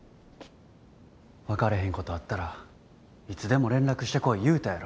分かれへんことあったらいつでも連絡してこい言うたやろ。